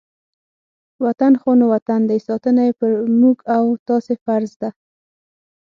وطن خو نو وطن دی، ساتنه یې په موږ او تاسې فرض ده.